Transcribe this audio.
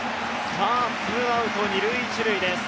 ツーアウト２塁１塁です。